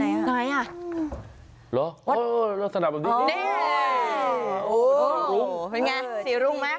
ไหนอ่ะหรอโอ้สนามแบบนี้เนี้ยโอ้เป็นไงศรีรุ้งไหม